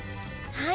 はい。